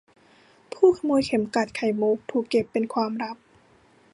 ผู้ขโมยเข็มกลัดไข่มุกถูกเก็บเป็นความลับ